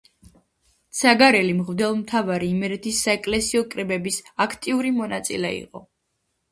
ცაგერელი მღვდელმთავარი იმერეთის საეკლესიო კრებების აქტიური მონაწილე იყო.